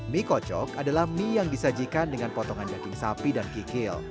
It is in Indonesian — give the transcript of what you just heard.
mie kocok adalah mie yang disajikan dengan potongan daging sapi dan kikil